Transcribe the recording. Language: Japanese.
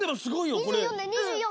２４だ２４！